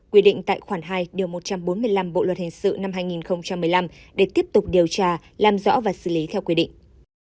quy định tại khoản hai điều một trăm bốn mươi năm bộ luật hình sự năm hai nghìn một mươi năm để tiếp tục điều tra làm rõ và xử lý theo quy định